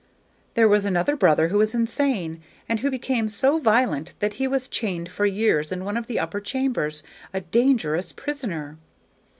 Then there was another brother who was insane, and who became so violent that he was chained for years in one of the upper chambers, a dangerous prisoner.